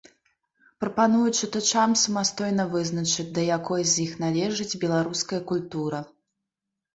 Прапаную чытачам самастойна вызначыць, да якой з іх належыць беларуская культура.